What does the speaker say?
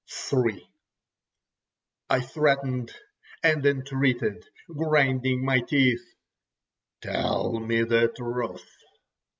III I threatened and entreated, grinding my teeth: "Tell me the truth!"